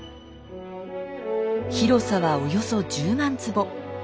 広さはおよそ１０万坪。